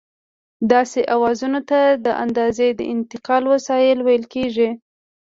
داسې اوزارونو ته د اندازې د انتقال وسایل ویل کېږي.